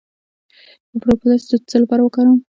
د پروپولیس د څه لپاره وکاروم؟